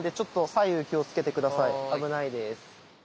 危ないです。